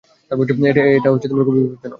এটা খুবই বিপজ্জনক।